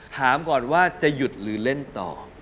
ถามก่อนว่าจะหยุดหรือเล่นต่อ